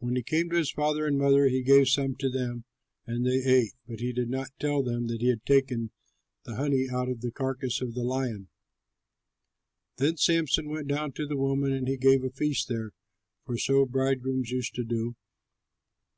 When he came to his father and mother, he gave some to them, and they ate; but he did not tell them that he had taken the honey out of the carcass of the lion. Then Samson went down to the woman; and he gave a feast there (for so bridegrooms used to do).